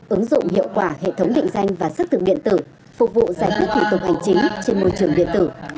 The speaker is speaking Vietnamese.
ứng dụng hiệu quả hệ thống định danh và xác thực điện tử phục vụ giải quyết thủ tục hành chính trên môi trường điện tử